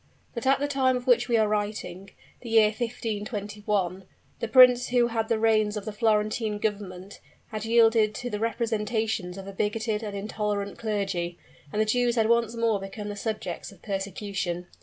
But at the time of which we are writing the year 1521 the prince who had the reins of the Florentine Government, had yielded to the representations of a bigoted and intolerant clergy, and the Jews had once more become the subjects of persecution.